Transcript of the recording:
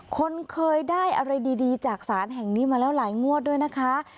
คนเคยได้อะไรดีจากศาลแห่งนี้มาแล้วหลายงวดด้วยนะคะ